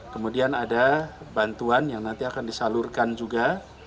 kemudian ada bantuan yang nanti akan disalurkan juga